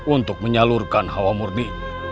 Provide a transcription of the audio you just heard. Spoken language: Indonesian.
untuk menyalurkan hawa murni